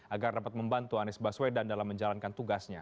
agar dapat membantu anies baswedan dalam menjalankan tugasnya